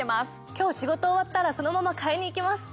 今日仕事終わったらそのまま買いに行きます。